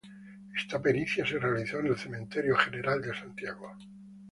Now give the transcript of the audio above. Esta pericia se realizó en el Cementerio General de Santiago.